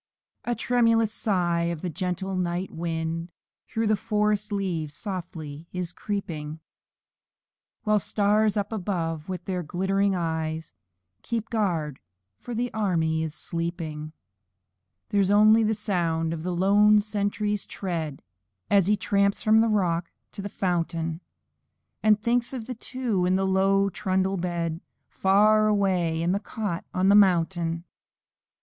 A tremulous sigh, as a gentle night wind Through the forest leaves slowly is creeping; While the stars up above, with their glittering eyes, Keep guard o'er the army while sleeping. There's only the sound of the lone sentry's tread, As he tramps from the rock to the fountain, And thinks of the two on the low trundle bed, Far away, in the cot on the mountain.